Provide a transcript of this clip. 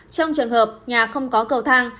trong trường hợp nhà không có cầu thang